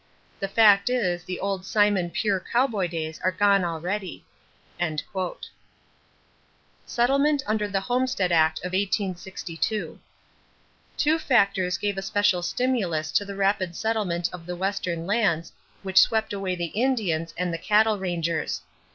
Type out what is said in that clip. The fact is the old simon pure cowboy days are gone already." =Settlement under the Homestead Act of 1862.= Two factors gave a special stimulus to the rapid settlement of Western lands which swept away the Indians and the cattle rangers.